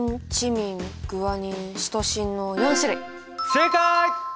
正解！